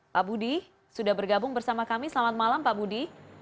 pak budi sudah bergabung bersama kami selamat malam pak budi